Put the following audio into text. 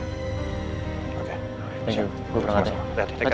terima kasih gue berangkat aja